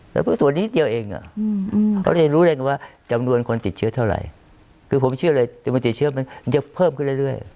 เราพึ่งตรวจนิดเดียวเองอ่ะเขาจะรู้เร็งว่าจำนวนคนติดเชื้อเท่าไหร่คือผมเชื่อเลยติดเชื้อมันจะเพิ่มขึ้นเรื่อย